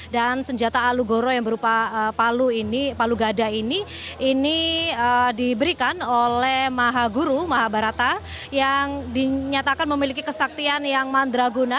dan senjata alu goro yang berupa palu gada ini diberikan oleh mahabharata yang dinyatakan memiliki kesaktian yang mandraguna